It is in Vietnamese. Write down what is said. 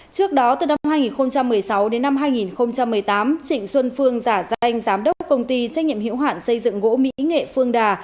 trước đó từ năm hai nghìn một mươi sáu đến năm hai nghìn một mươi tám trịnh xuân phương giả danh giám đốc công ty trách nhiệm hiệu hạn xây dựng gỗ mỹ nghệ phương đà